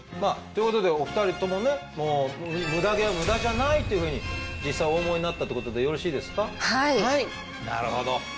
ということでお二人ともねムダ毛はムダじゃないというふうに実際お思いになったってことでよろしいですか？